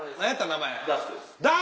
名前。